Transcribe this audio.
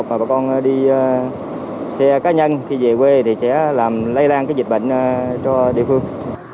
trường hợp mà bà con đi xe cá nhân thì về quê thì sẽ làm lây lan cái dịch bệnh cho địa phương